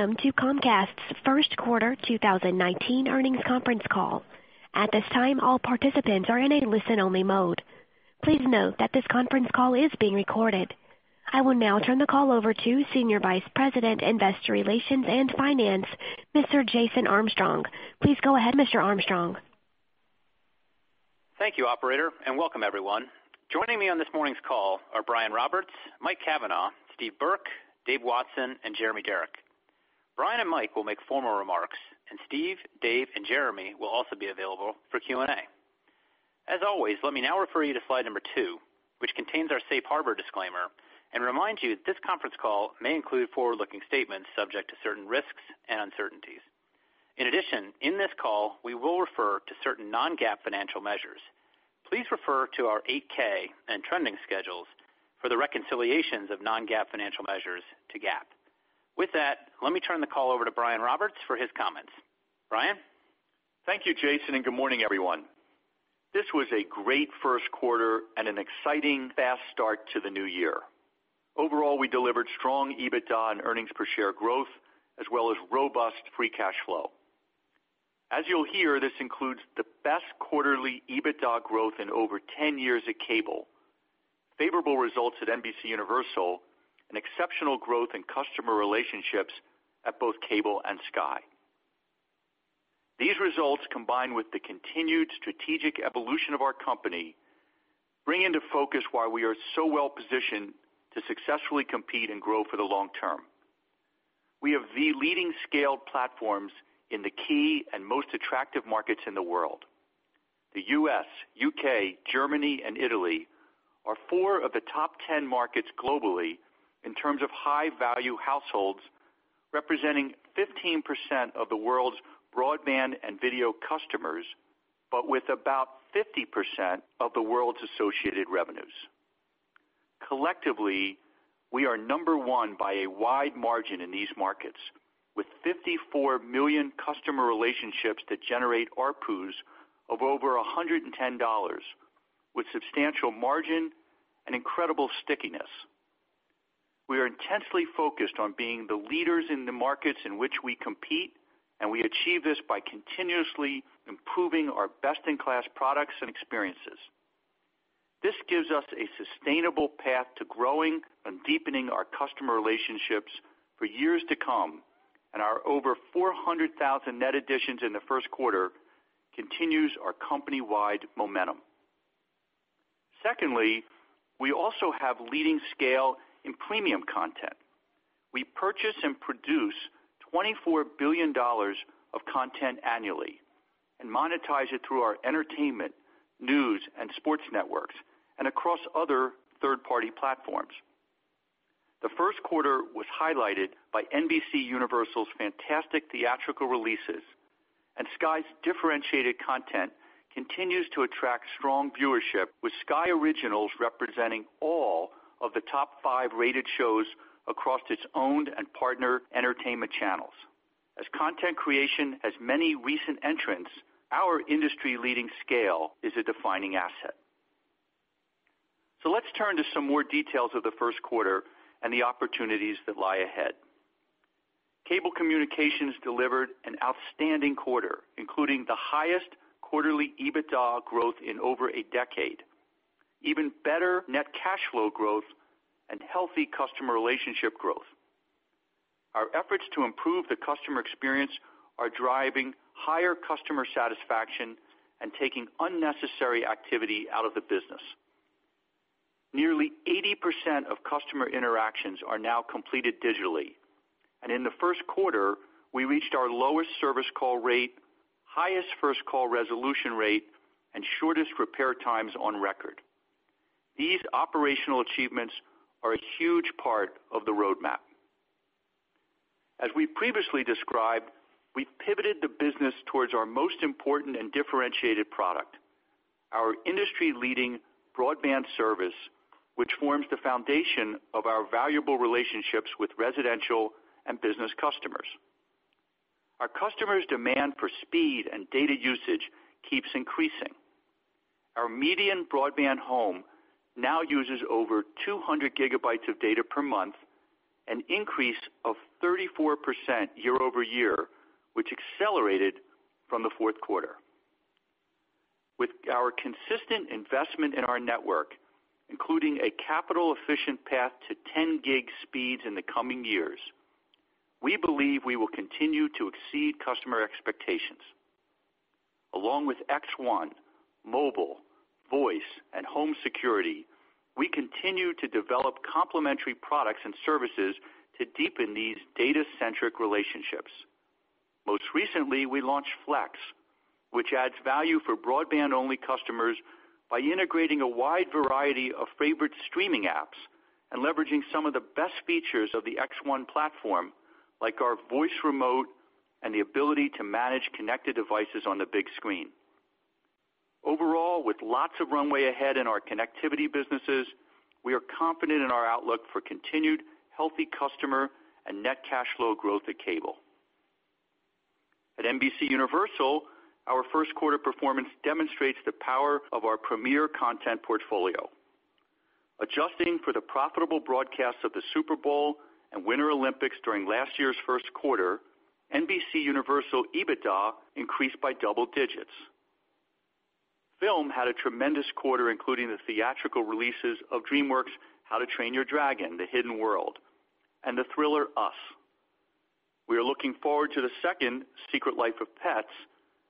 Welcome to Comcast's first quarter 2019 earnings conference call. At this time, all participants are in a listen-only mode. Please note that this conference call is being recorded. I will now turn the call over to Senior Vice President, Investor Relations and Finance, Mr. Jason Armstrong. Please go ahead, Mr. Armstrong. Thank you, operator. Welcome everyone. Joining me on this morning's call are Brian Roberts, Mike Cavanagh, Steve Burke, Dave Watson, and Jeremy Darroch. Brian and Mike will make formal remarks. Steve, Dave, and Jeremy will also be available for Q&A. As always, let me now refer you to slide number two, which contains our safe harbor disclaimer, and remind you this conference call may include forward-looking statements subject to certain risks and uncertainties. In addition, in this call, we will refer to certain non-GAAP financial measures. Please refer to our 8-K and trending schedules for the reconciliations of non-GAAP financial measures to GAAP. With that, let me turn the call over to Brian Roberts for his comments. Brian? Thank you, Jason. Good morning, everyone. This was a great first quarter and an exciting fast start to the new year. Overall, we delivered strong EBITDA and earnings per share growth, as well as robust free cash flow. As you'll hear, this includes the best quarterly EBITDA growth in over 10 years at Cable, favorable results at NBCUniversal, and exceptional growth in customer relationships at both Cable and Sky. These results, combined with the continued strategic evolution of our company, bring into focus why we are so well positioned to successfully compete and grow for the long term. We have the leading scale platforms in the key and most attractive markets in the world. The U.S., U.K., Germany, and Italy are four of the top 10 markets globally in terms of high-value households, representing 15% of the world's broadband and video customers, but with about 50% of the world's associated revenues. Collectively, we are number one by a wide margin in these markets, with 54 million customer relationships that generate ARPUs of over $110, with substantial margin and incredible stickiness. We are intensely focused on being the leaders in the markets in which we compete. We achieve this by continuously improving our best-in-class products and experiences. This gives us a sustainable path to growing and deepening our customer relationships for years to come. Our over 400,000 net additions in the first quarter continues our company-wide momentum. Secondly, we also have leading scale in premium content. We purchase and produce $24 billion of content annually and monetize it through our entertainment, news, and sports networks and across other third-party platforms. The first quarter was highlighted by NBCUniversal's fantastic theatrical releases, and Sky's differentiated content continues to attract strong viewership, with Sky Originals representing all of the top five rated shows across its owned and partner entertainment channels. As content creation has many recent entrants, our industry-leading scale is a defining asset. Let's turn to some more details of the first quarter and the opportunities that lie ahead. Cable Communications delivered an outstanding quarter, including the highest quarterly EBITDA growth in over a decade, even better net cash flow growth, and healthy customer relationship growth. Our efforts to improve the customer experience are driving higher customer satisfaction and taking unnecessary activity out of the business. Nearly 80% of customer interactions are now completed digitally, and in the first quarter, we reached our lowest service call rate, highest first call resolution rate, and shortest repair times on record. These operational achievements are a huge part of the roadmap. As we previously described, we pivoted the business towards our most important and differentiated product, our industry-leading broadband service, which forms the foundation of our valuable relationships with residential and business customers. Our customers' demand for speed and data usage keeps increasing. Our median broadband home now uses over 200 gigabytes of data per month, an increase of 34% year-over-year, which accelerated from the fourth quarter. With our consistent investment in our network, including a capital-efficient path to 10 gig speeds in the coming years, we believe we will continue to exceed customer expectations. Along with X1, mobile, voice, and home security, we continue to develop complementary products and services to deepen these data-centric relationships. Most recently, we launched Flex, which adds value for broadband-only customers by integrating a wide variety of favorite streaming apps and leveraging some of the best features of the X1 platform, like our voice remote and the ability to manage connected devices on the big screen. Overall, with lots of runway ahead in our connectivity businesses, we are confident in our outlook for continued healthy customer and net cash flow growth at Cable. At NBCUniversal, our first quarter performance demonstrates the power of our premier content portfolio. Adjusting for the profitable broadcast of the Super Bowl and Winter Olympics during last year's first quarter, NBCUniversal EBITDA increased by double digits. Film had a tremendous quarter, including the theatrical releases of DreamWorks' How to Train Your Dragon: The Hidden World and the thriller Us. We are looking forward to the second Secret Life of Pets,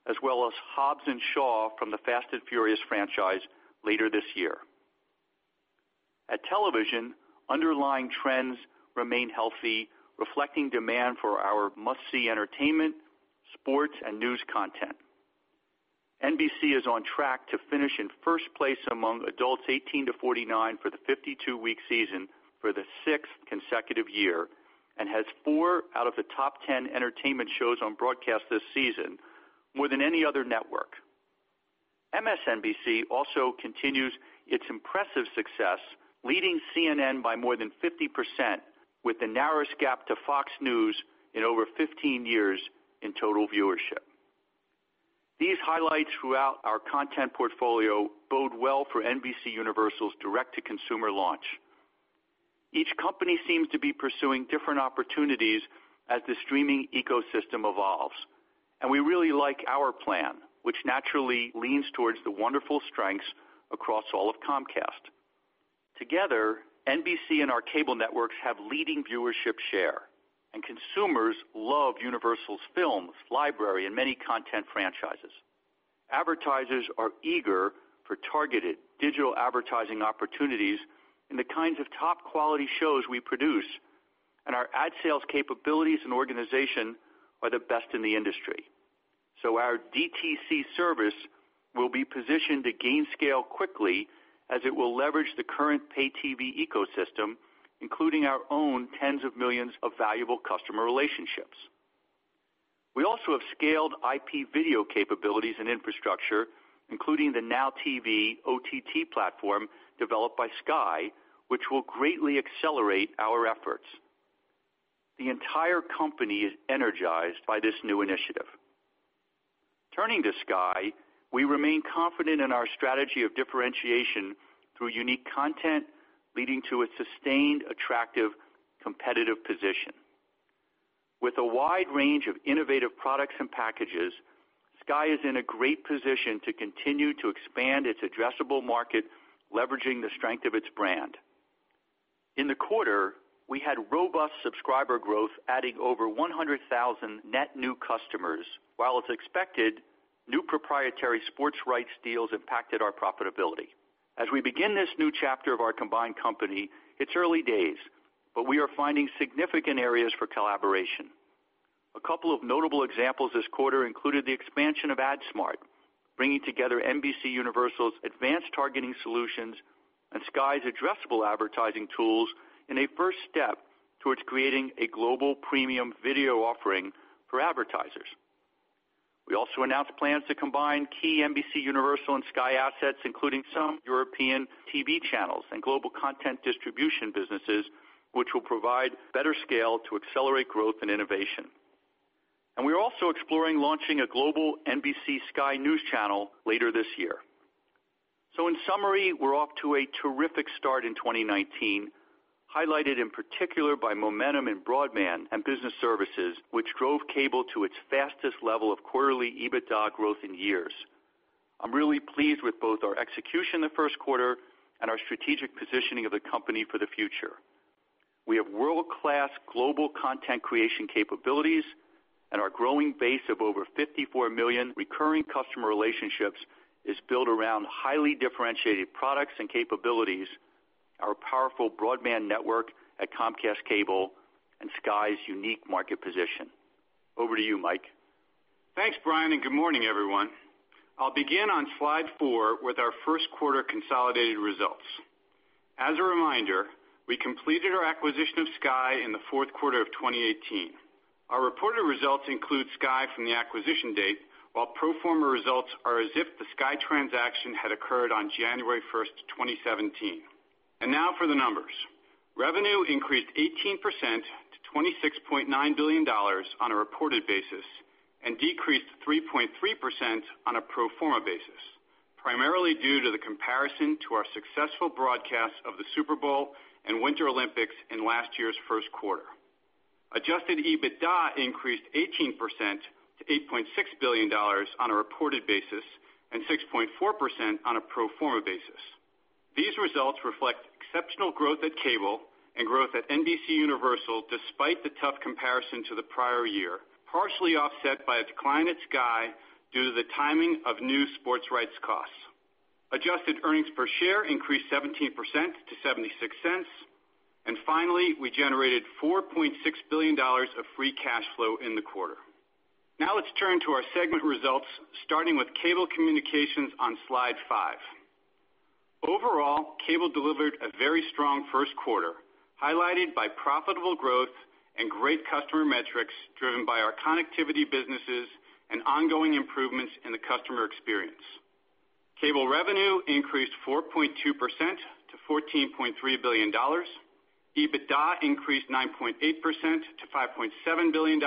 as well as Hobbs & Shaw from the Fast & Furious franchise later this year. At Television, underlying trends remain healthy, reflecting demand for our must-see entertainment, sports, and news content. NBC is on track to finish in first place among adults 18 to 49 for the 52-week season for the sixth consecutive year, and has four out of the top 10 entertainment shows on broadcast this season, more than any other network. MSNBC also continues its impressive success, leading CNN by more than 50%, with the narrowest gap to Fox News in over 15 years in total viewership. These highlights throughout our content portfolio bode well for NBCUniversal's direct-to-consumer launch. Each company seems to be pursuing different opportunities as the streaming ecosystem evolves. We really like our plan, which naturally leans towards the wonderful strengths across all of Comcast. Together, NBC and our cable networks have leading viewership share, and consumers love Universal's films, library, and many content franchises. Advertisers are eager for targeted digital advertising opportunities in the kinds of top-quality shows we produce, and our ad sales capabilities and organization are the best in the industry. Our DTC service will be positioned to gain scale quickly as it will leverage the current pay TV ecosystem, including our own tens of millions of valuable customer relationships. We also have scaled IP video capabilities and infrastructure, including the NOW TV OTT platform developed by Sky, which will greatly accelerate our efforts. The entire company is energized by this new initiative. Turning to Sky, we remain confident in our strategy of differentiation through unique content, leading to a sustained, attractive, competitive position. With a wide range of innovative products and packages, Sky is in a great position to continue to expand its addressable market, leveraging the strength of its brand. In the quarter, we had robust subscriber growth, adding over 100,000 net new customers. While as expected, new proprietary sports rights deals impacted our profitability. As we begin this new chapter of our combined company, it's early days. We are finding significant areas for collaboration. A couple of notable examples this quarter included the expansion of AdSmart, bringing together NBCUniversal's advanced targeting solutions and Sky's addressable advertising tools in a first step towards creating a global premium video offering for advertisers. We also announced plans to combine key NBCUniversal and Sky assets, including some European TV channels and global content distribution businesses, which will provide better scale to accelerate growth and innovation. We are also exploring launching a global NBC Sky News channel later this year. In summary, we're off to a terrific start in 2019, highlighted in particular by momentum in broadband and business services, which drove Cable to its fastest level of quarterly EBITDA growth in years. I'm really pleased with both our execution in the first quarter and our strategic positioning of the company for the future. We have world-class global content creation capabilities and our growing base of over 54 million recurring customer relationships is built around highly differentiated products and capabilities, our powerful broadband network at Comcast Cable, and Sky's unique market position. Over to you, Mike. Thanks, Brian. Good morning, everyone. I'll begin on slide four with our first quarter consolidated results. As a reminder, we completed our acquisition of Sky in the fourth quarter of 2018. Our reported results include Sky from the acquisition date, while pro forma results are as if the Sky transaction had occurred on January 1, 2017. Now for the numbers. Revenue increased 18% to $26.9 billion on a reported basis and decreased 3.3% on a pro forma basis, primarily due to the comparison to our successful broadcast of the Super Bowl and Winter Olympics in last year's first quarter. Adjusted EBITDA increased 18% to $8.6 billion on a reported basis and 6.4% on a pro forma basis. These results reflect exceptional growth at Cable and growth at NBCUniversal despite the tough comparison to the prior year, partially offset by a decline at Sky due to the timing of new sports rights costs. Adjusted earnings per share increased 17% to $0.76, and finally, we generated $4.6 billion of free cash flow in the quarter. Now let's turn to our segment results, starting with Cable Communications on slide five. Overall, Cable delivered a very strong first quarter, highlighted by profitable growth and great customer metrics driven by our connectivity businesses and ongoing improvements in the customer experience. Cable revenue increased 4.2% to $14.3 billion. EBITDA increased 9.8% to $5.7 billion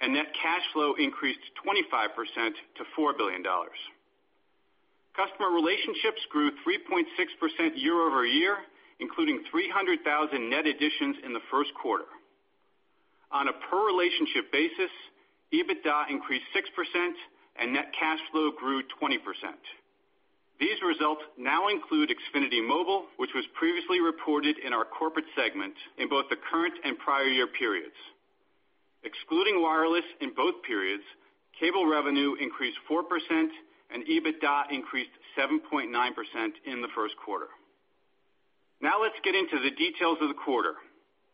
and net cash flow increased 25% to $4 billion. Customer relationships grew 3.6% year-over-year, including 300,000 net additions in the first quarter. On a per relationship basis, EBITDA increased 6% and net cash flow grew 20%. These results now include Xfinity Mobile, which was previously reported in our corporate segment in both the current and prior year periods. Excluding wireless in both periods, Cable revenue increased 4% and EBITDA increased 7.9% in the first quarter. Now let's get into the details of the quarter.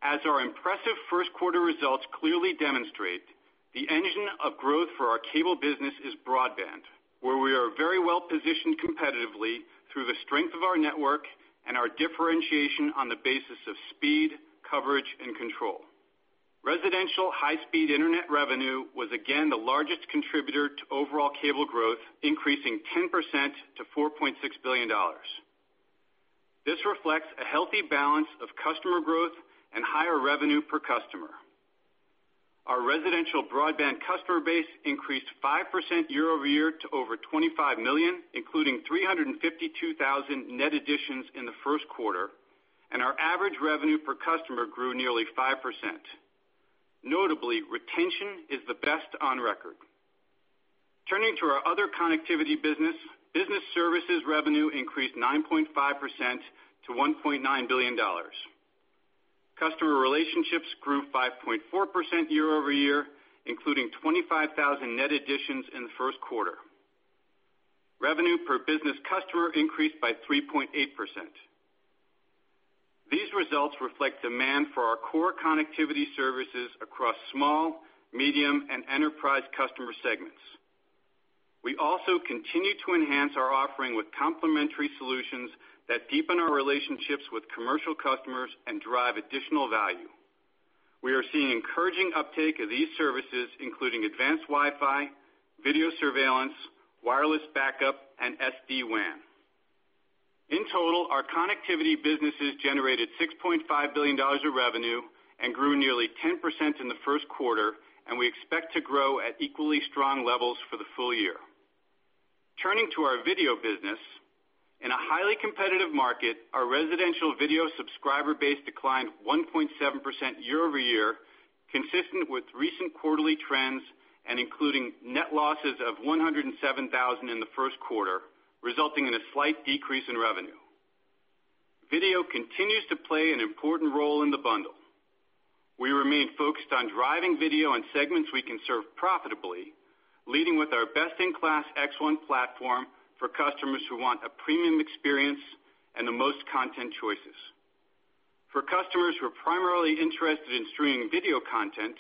As our impressive first quarter results clearly demonstrate, the engine of growth for our Cable business is broadband, where we are very well positioned competitively through the strength of our network and our differentiation on the basis of speed, coverage, and control. Residential high-speed Internet revenue was again the largest contributor to overall Cable growth, increasing 10% to $4.6 billion. This reflects a healthy balance of customer growth and higher revenue per customer. Our residential broadband customer base increased 5% year-over-year to over 25 million, including 352,000 net additions in the first quarter, and our average revenue per customer grew nearly 5%. Notably, retention is the best on record. Turning to our other connectivity business, Business Services revenue increased 9.5% to $1.9 billion. Customer relationships grew 5.4% year-over-year, including 25,000 net additions in the first quarter. Revenue per business customer increased by 3.8%. These results reflect demand for our core connectivity services across small, medium, and enterprise customer segments. We also continue to enhance our offering with complementary solutions that deepen our relationships with commercial customers and drive additional value. We are seeing encouraging uptake of these services, including advanced Wi-Fi, video surveillance, wireless backup, and SD-WAN. In total, our connectivity businesses generated $6.5 billion of revenue and grew nearly 10% in the first quarter, and we expect to grow at equally strong levels for the full year. Turning to our Video business. In a highly competitive market, our residential video subscriber base declined 1.7% year-over-year, consistent with recent quarterly trends and including net losses of 107,000 in the first quarter, resulting in a slight decrease in revenue. Video continues to play an important role in the bundle. We remain focused on driving video and segments we can serve profitably, leading with our best-in-class X1 platform for customers who want a premium experience and the most content choices. For customers who are primarily interested in streaming video content,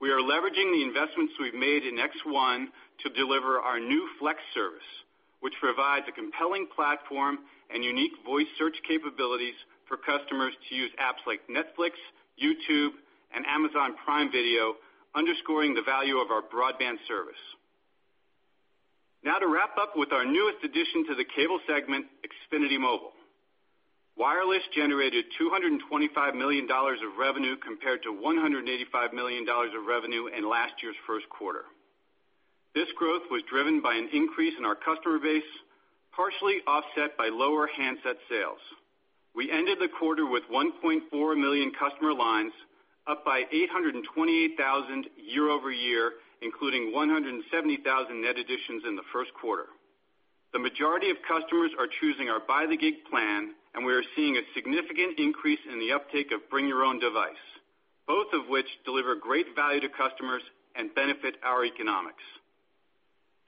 we are leveraging the investments we've made in X1 to deliver our new Flex service, which provides a compelling platform and unique voice search capabilities for customers to use apps like Netflix, YouTube, and Amazon Prime Video, underscoring the value of our broadband service. Now to wrap up with our newest addition to the cable segment, Xfinity Mobile. Wireless generated $225 million of revenue compared to $185 million of revenue in last year's first quarter. This growth was driven by an increase in our customer base, partially offset by lower handset sales. We ended the quarter with 1.4 million customer lines, up by 828,000 year-over-year, including 170,000 net additions in the first quarter. The majority of customers are choosing our By The Gig plan, we are seeing a significant increase in the uptake of Bring Your Own Device, both of which deliver great value to customers and benefit our economics.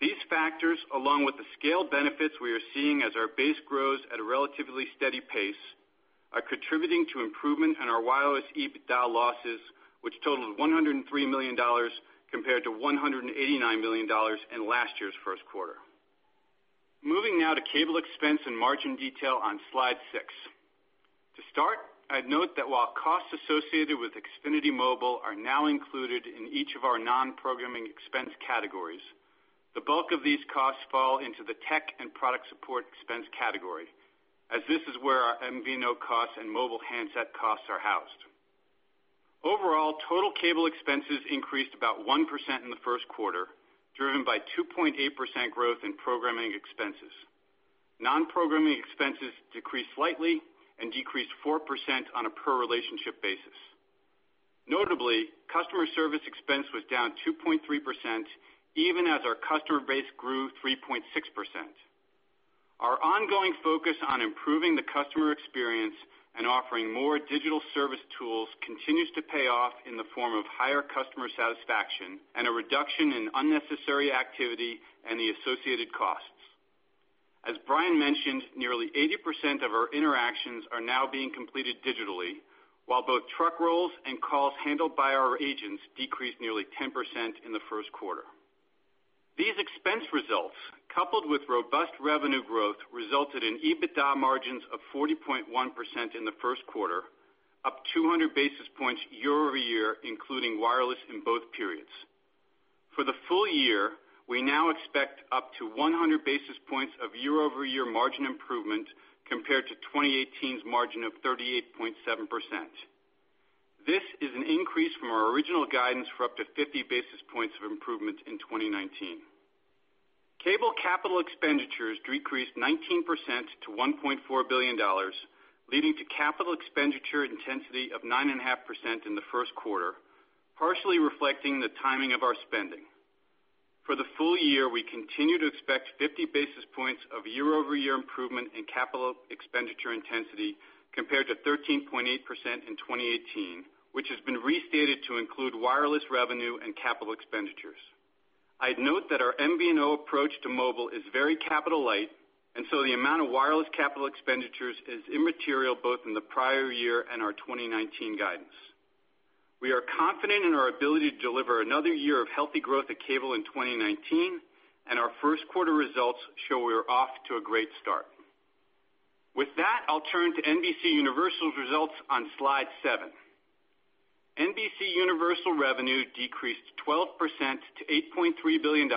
These factors, along with the scale benefits we are seeing as our base grows at a relatively steady pace, are contributing to improvement in our wireless EBITDA losses, which totaled $103 million compared to $189 million in last year's first quarter. Moving now to cable expense and margin detail on slide six. To start, I'd note that while costs associated with Xfinity Mobile are now included in each of our non-programming expense categories, the bulk of these costs fall into the tech and product support expense category, as this is where our MVNO costs and mobile handset costs are housed. Overall, total cable expenses increased about 1% in the first quarter, driven by 2.8% growth in programming expenses. Non-programming expenses decreased slightly and decreased 4% on a per relationship basis. Notably, customer service expense was down 2.3%, even as our customer base grew 3.6%. Our ongoing focus on improving the customer experience and offering more digital service tools continues to pay off in the form of higher customer satisfaction and a reduction in unnecessary activity and the associated costs. As Brian mentioned, nearly 80% of our interactions are now being completed digitally, while both truck rolls and calls handled by our agents decreased nearly 10% in the first quarter. These expense results, coupled with robust revenue growth, resulted in EBITDA margins of 40.1% in the first quarter, up 200 basis points year-over-year, including wireless in both periods. For the full year, we now expect up to 100 basis points of year-over-year margin improvement compared to 2018's margin of 38.7%. This is an increase from our original guidance for up to 50 basis points of improvement in 2019. Cable capital expenditures decreased 19% to $1.4 billion, leading to capital expenditure intensity of 9.5% in the first quarter, partially reflecting the timing of our spending. For the full year, we continue to expect 50 basis points of year-over-year improvement in capital expenditure intensity compared to 13.8% in 2018, which has been restated to include wireless revenue and capital expenditures. I'd note that our MVNO approach to mobile is very capital light, the amount of wireless capital expenditures is immaterial both in the prior year and our 2019 guidance. We are confident in our ability to deliver another year of healthy growth at Cable in 2019, our first quarter results show we are off to a great start. With that, I'll turn to NBCUniversal's results on slide seven. NBCUniversal revenue decreased 12% to $8.3 billion,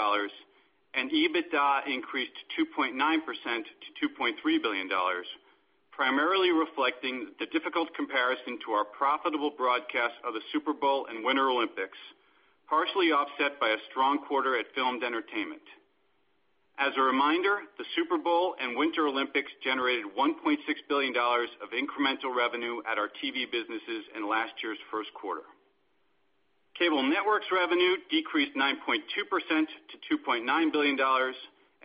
and EBITDA increased 2.9% to $2.3 billion, primarily reflecting the difficult comparison to our profitable broadcast of the Super Bowl and Winter Olympics, partially offset by a strong quarter at Filmed Entertainment. As a reminder, the Super Bowl and Winter Olympics generated $1.6 billion of incremental revenue at our TV businesses in last year's first quarter. Cable networks revenue decreased 9.2% to $2.9 billion,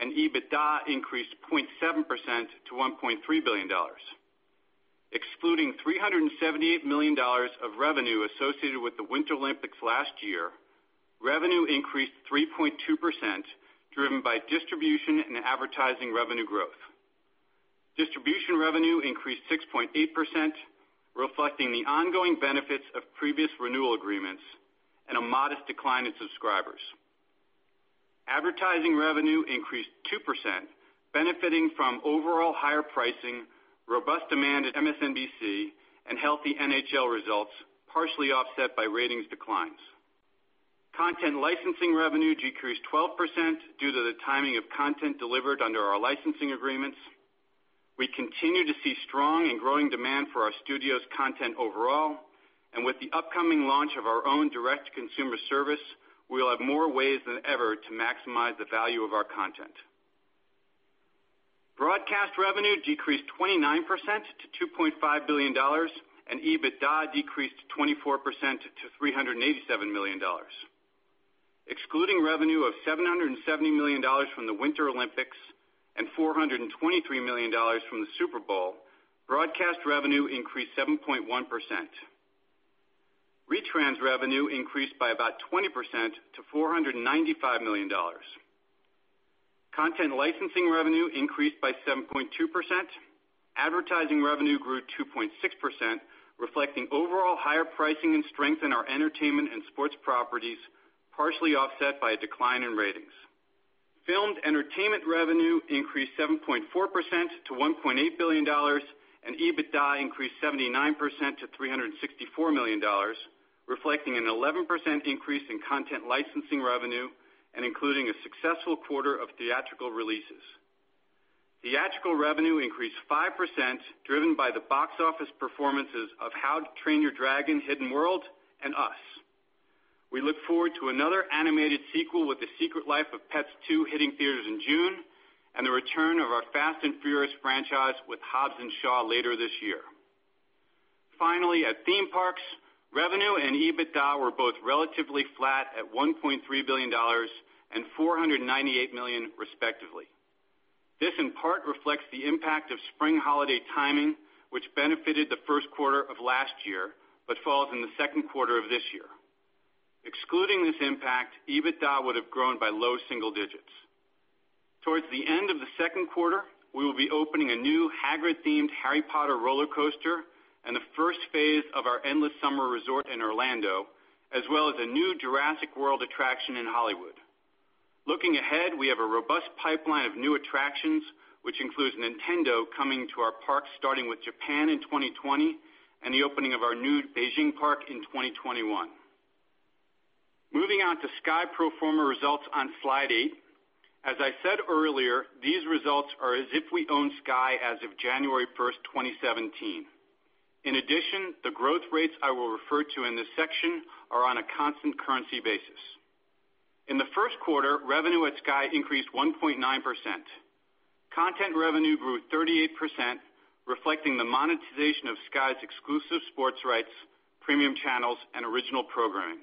and EBITDA increased 0.7% to $1.3 billion. Excluding $378 million of revenue associated with the Winter Olympics last year, revenue increased 3.2%, driven by distribution and advertising revenue growth. Distribution revenue increased 6.8%, reflecting the ongoing benefits of previous renewal agreements and a modest decline in subscribers. Advertising revenue increased 2%, benefiting from overall higher pricing, robust demand at MSNBC, and healthy NHL results, partially offset by ratings declines. Content licensing revenue decreased 12% due to the timing of content delivered under our licensing agreements. We continue to see strong and growing demand for our studio's content overall. With the upcoming launch of our own direct-to-consumer service, we will have more ways than ever to maximize the value of our content. Broadcast revenue decreased 29% to $2.5 billion, and EBITDA decreased 24% to $387 million. Excluding revenue of $770 million from the Winter Olympics and $423 million from the Super Bowl, broadcast revenue increased 7.1%. Retrans revenue increased by about 20% to $495 million. Content licensing revenue increased by 7.2%. Advertising revenue grew 2.6%, reflecting overall higher pricing and strength in our entertainment and sports properties, partially offset by a decline in ratings. Filmed Entertainment revenue increased 7.4% to $1.8 billion, and EBITDA increased 79% to $364 million, reflecting an 11% increase in content licensing revenue and including a successful quarter of theatrical releases. Theatrical revenue increased 5%, driven by the box office performances of "How to Train Your Dragon: The Hidden World" and "Us." We look forward to another animated sequel with "The Secret Life of Pets 2" hitting theaters in June, and the return of our "Fast & Furious" franchise with "Hobbs & Shaw" later this year. Finally, at theme parks, revenue and EBITDA were both relatively flat at $1.3 billion and $498 million respectively. This in part reflects the impact of spring holiday timing, which benefited the first quarter of last year but falls in the second quarter of this year. Excluding this impact, EBITDA would have grown by low single digits. Towards the end of the second quarter, we will be opening a new Hagrid-themed Harry Potter roller coaster and the first phase of our Endless Summer Resort in Orlando, as well as a new Jurassic World attraction in Hollywood. Looking ahead, we have a robust pipeline of new attractions, which includes Nintendo coming to our parks, starting with Japan in 2020 and the opening of our new Beijing park in 2021. Moving on to Sky pro forma results on slide eight. As I said earlier, these results are as if we own Sky as of January 1, 2017. In addition, the growth rates I will refer to in this section are on a constant currency basis. In the first quarter, revenue at Sky increased 1.9%. Content revenue grew 38%, reflecting the monetization of Sky's exclusive sports rights, premium channels, and original programming.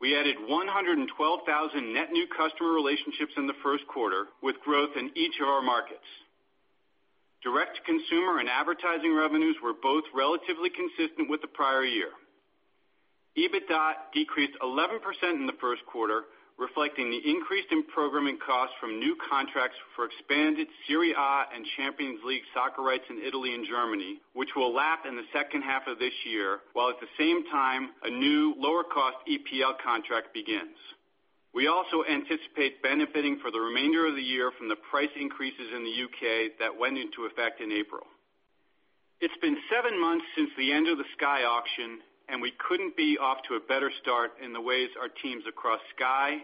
We added 112,000 net new customer relationships in the first quarter, with growth in each of our markets. Direct consumer and advertising revenues were both relatively consistent with the prior year. EBITDA decreased 11% in the first quarter, reflecting the increase in programming costs from new contracts for expanded Serie A and Champions League soccer rights in Italy and Germany, which will lap in the second half of this year, while at the same time a new lower cost EPL contract begins. We also anticipate benefiting for the remainder of the year from the price increases in the U.K. that went into effect in April. It's been seven months since the end of the Sky auction, and we couldn't be off to a better start in the ways our teams across Sky,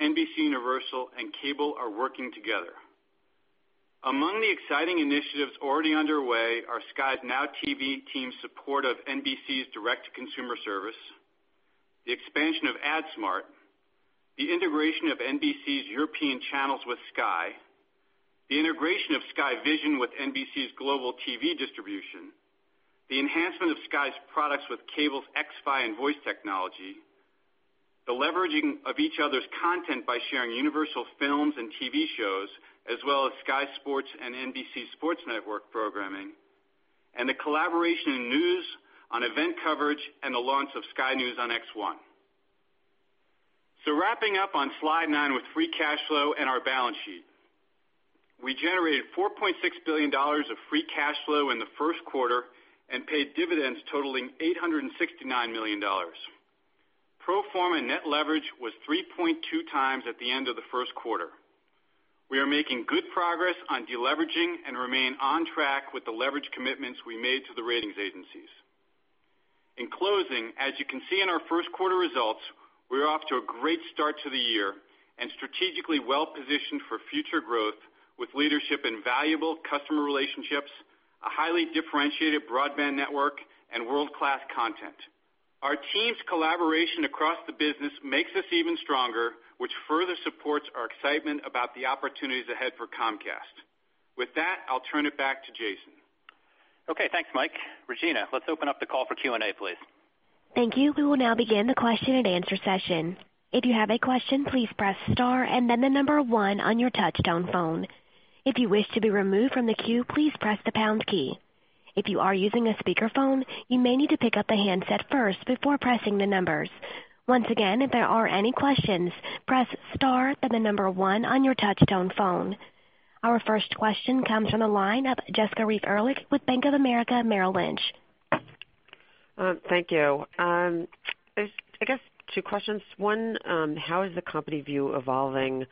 NBCUniversal, and Cable are working together. Among the exciting initiatives already underway are Sky's NOW TV team's support of NBC's direct-to-consumer service, the expansion of AdSmart, the integration of NBC's European channels with Sky, the integration of Sky Vision with NBC's global TV distribution, the enhancement of Sky's products with Cable's xFi and voice technology, the leveraging of each other's content by sharing Universal films and TV shows, as well as Sky Sports and NBC Sports Network programming, and the collaboration in news on event coverage and the launch of Sky News on X1. Wrapping up on slide nine with free cash flow and our balance sheet. We generated $4.6 billion of free cash flow in the first quarter and paid dividends totaling $869 million. Pro forma net leverage was 3.2 times at the end of the first quarter. We are making good progress on deleveraging and remain on track with the leverage commitments we made to the ratings agencies. In closing, as you can see in our first quarter results, we're off to a great start to the year and strategically well-positioned for future growth with leadership and valuable customer relationships, a highly differentiated broadband network, and world-class content. Our teams' collaboration across the business makes us even stronger, which further supports our excitement about the opportunities ahead for Comcast. With that, I'll turn it back to Jason. Okay. Thanks, Mike. Regina, let's open up the call for Q&A, please. Thank you. We will now begin the question and answer session. If you have a question, please press star and then the number one on your touchtone phone. If you wish to be removed from the queue, please press the pound key. If you are using a speakerphone, you may need to pick up the handset first before pressing the numbers. Once again, if there are any questions, press star, then the number one on your touchtone phone. Our first question comes from the line of Jessica Reif Ehrlich with Bank of America Merrill Lynch. Thank you. I guess two questions. One, how is the company view evolving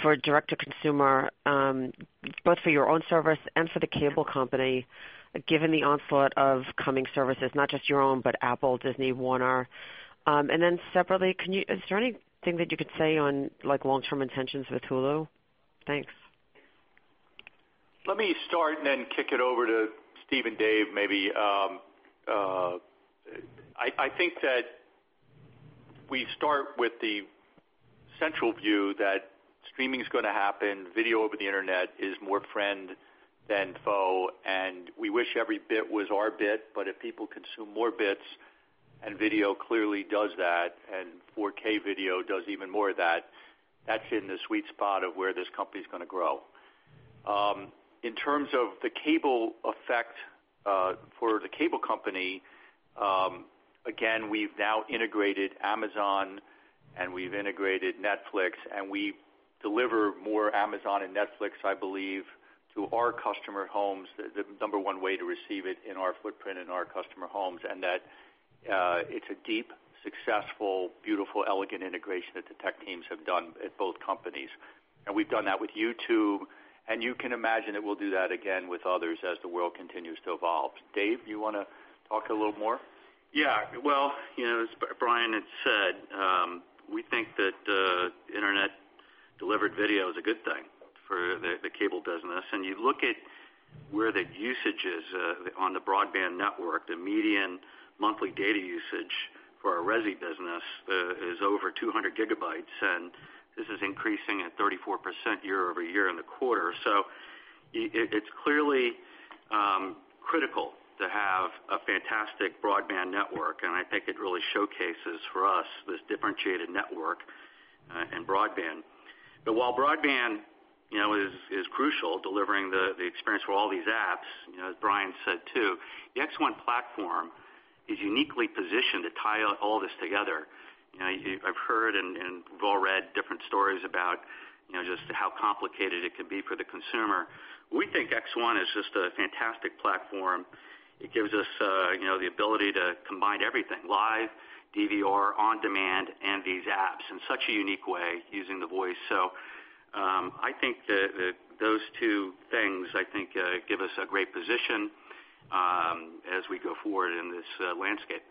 for direct to consumer, both for your own service and for the cable company, given the onslaught of coming services, not just your own, but Apple, Disney, WarnerMedia? Separately, is there anything that you could say on long-term intentions with Hulu? Thanks. Let me start and then kick it over to Steve and Dave, maybe. I think that we start with the central view that streaming is going to happen, video over the internet is more friend than foe, and we wish every bit was our bit, but if people consume more bits, and video clearly does that, and 4K video does even more of that's in the sweet spot of where this company's going to grow. In terms of the cable effect for the cable company, again, we've now integrated Amazon and we've integrated Netflix, and we deliver more Amazon and Netflix, I believe, to our customer homes, the number one way to receive it in our footprint in our customer homes, and that it's a deep, successful, beautiful, elegant integration that the tech teams have done at both companies. We've done that with YouTube, and you can imagine that we'll do that again with others as the world continues to evolve. Dave, you want to talk a little more? Well, as Brian had said, we think that internet delivered video is a good thing for the cable business. You look at where the usage is on the broadband network, the median monthly data usage for our resi business is over 200 gigabytes, and this is increasing at 34% year-over-year in the quarter. It's clearly critical to have a fantastic broadband network, and I think it really showcases for us this differentiated network and broadband. While broadband is crucial, delivering the experience for all these apps, as Brian said too, the X1 platform is uniquely positioned to tie all this together. I've heard and we've all read different stories about just how complicated it can be for the consumer. We think X1 is just a fantastic platform. It gives us the ability to combine everything, live, DVR, on-demand, and these apps in such a unique way using the voice. I think that those two things give us a great position as we go forward in this landscape.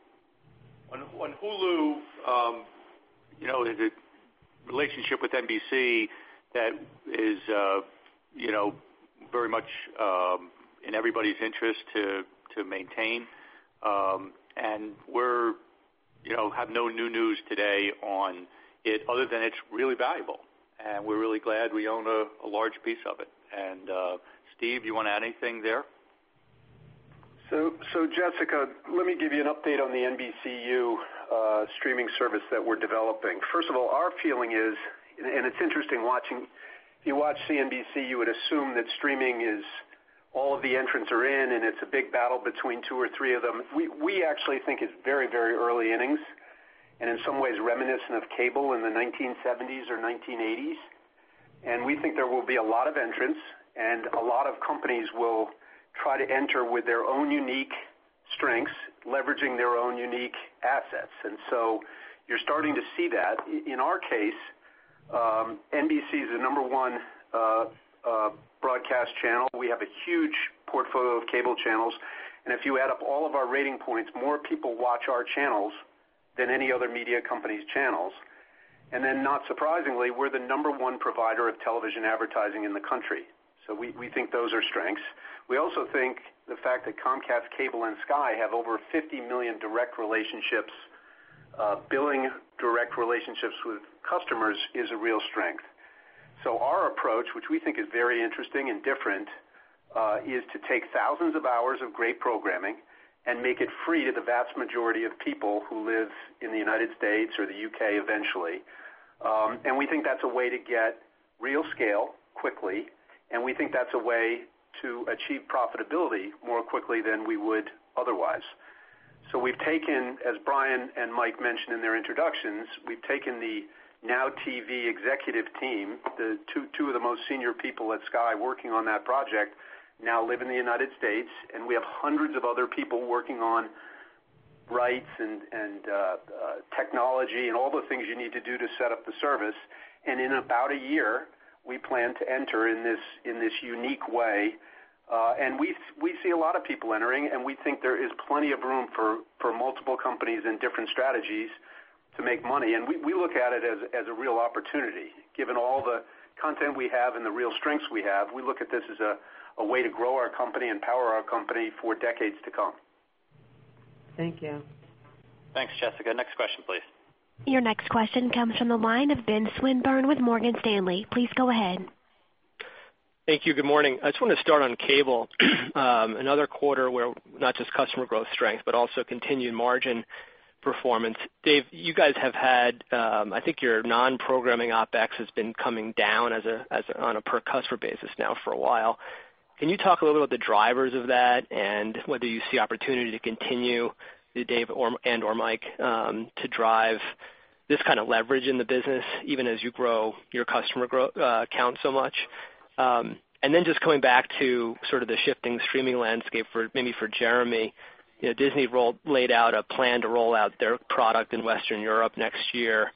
On Hulu, the relationship with NBC, that is very much in everybody's interest to maintain. We have no new news today on it other than it's really valuable, and we're really glad we own a large piece of it. Steve, you want to add anything there? Jessica, let me give you an update on the NBCUniversal streaming service that we're developing. First of all, our feeling is, it's interesting watching, if you watch CNBC, you would assume that streaming is all of the entrants are in, and it's a big battle between two or three of them. We actually think it's very early innings, and in some ways reminiscent of cable in the 1970s or 1980s. We think there will be a lot of entrants, and a lot of companies will try to enter with their own unique strengths, leveraging their own unique assets. You're starting to see that. In our case, NBC is the number one broadcast channel. We have a huge portfolio of cable channels, and if you add up all of our rating points, more people watch our channels than any other media company's channels. Not surprisingly, we're the number one provider of television advertising in the country. We think those are strengths. We also think the fact that Comcast Cable and Sky have over 50 million direct relationships, billing direct relationships with customers, is a real strength. Our approach, which we think is very interesting and different, is to take thousands of hours of great programming and make it free to the vast majority of people who live in the U.S. or the U.K. eventually. We think that's a way to get real scale quickly, and we think that's a way to achieve profitability more quickly than we would otherwise. We've taken, as Brian and Mike mentioned in their introductions, we've taken the NOW TV executive team. The two of the most senior people at Sky working on that project now live in the U.S., and we have hundreds of other people working on rights and technology and all the things you need to do to set up the service. In about 1 year, we plan to enter in this unique way. We see a lot of people entering, and we think there is plenty of room for multiple companies and different strategies to make money. We look at it as a real opportunity, given all the content we have and the real strengths we have. We look at this as a way to grow our company and power our company for decades to come. Thank you. Thanks, Jessica. Next question, please. Your next question comes from the line of Benjamin Swinburne with Morgan Stanley. Please go ahead. Thank you. Good morning. I just wanted to start on cable. Another quarter where not just customer growth strength, but also continued margin performance. Dave, you guys have had, I think your non-programming OpEx has been coming down on a per customer basis now for a while. Can you talk a little about the drivers of that and whether you see opportunity to continue, Dave and/or Mike, to drive this kind of leverage in the business even as you grow your customer count so much? Just coming back to sort of the shifting streaming landscape maybe for Jeremy. Disney laid out a plan to roll out their product in Western Europe next year.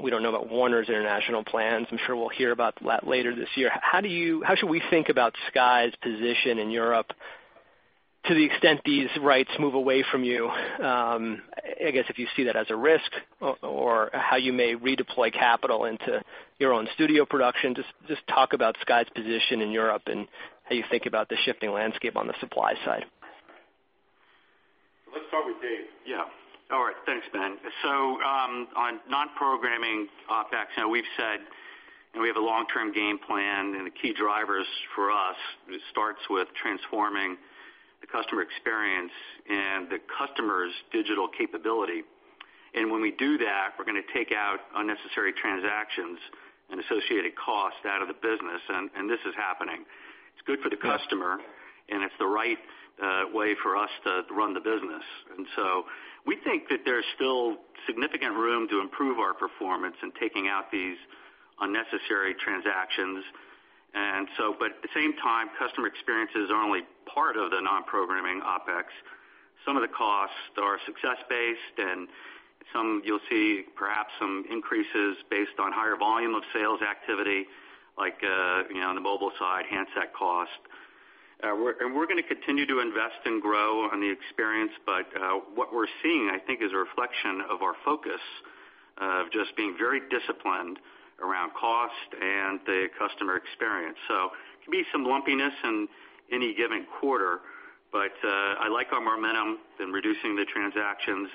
We don't know about WarnerMedia's international plans. I'm sure we'll hear about that later this year. How should we think about Sky's position in Europe to the extent these rights move away from you? I guess if you see that as a risk or how you may redeploy capital into your own studio production. Just talk about Sky's position in Europe and how you think about the shifting landscape on the supply side. Let's start with Dave. Thanks, Ben. On non-programming OpEx, we've said we have a long-term game plan, the key drivers for us starts with transforming the customer experience and the customer's digital capability. When we do that, we're going to take out unnecessary transactions and associated costs out of the business, this is happening. It's good for the customer, and it's the right way for us to run the business. We think that there's still significant room to improve our performance in taking out these unnecessary transactions. At the same time, customer experiences are only part of the non-programming OpEx. Some of the costs are success-based, some you'll see perhaps some increases based on higher volume of sales activity, like on the mobile side, handset cost. We're going to continue to invest and grow on the experience. What we're seeing, I think, is a reflection of our focus of just being very disciplined around cost and the customer experience. There can be some lumpiness in any given quarter, but I like our momentum in reducing the transactions.